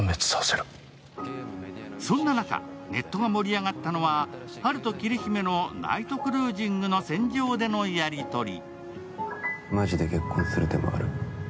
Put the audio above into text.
そんな中、ネットが盛り上がったのはハルと桐姫のナイトクルージングの船上でのやりとり。